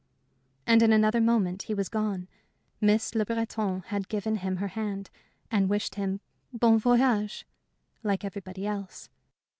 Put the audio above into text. And in another moment he was gone. Miss Le Breton had given him her hand and wished him "Bon voyage," like everybody else.